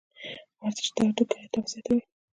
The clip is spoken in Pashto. ورزش د هډوکو انعطاف زیاتوي.